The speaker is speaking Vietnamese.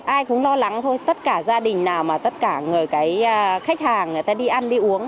ai cũng lo lắng thôi tất cả gia đình nào mà tất cả người khách hàng người ta đi ăn đi uống